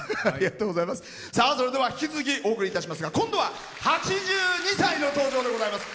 それでは引き続きお送りいたしますが今度は８２歳の登場でございます。